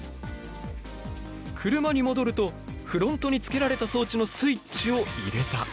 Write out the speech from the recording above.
車に戻るとフロントにつけられた装置のスイッチを入れた。